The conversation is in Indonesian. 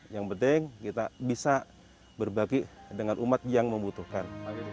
yang penting kita bisa berbagi dengan umat yang membutuhkan